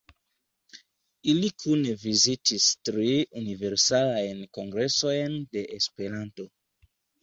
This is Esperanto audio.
Ili kune vizitis tri Universalajn Kongresojn de Esperanto.